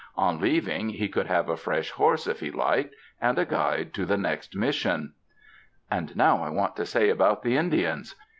On leaving, he could have a fresh horse if he liked and a guide to the next Mission. ''And now I want to say about the Indians.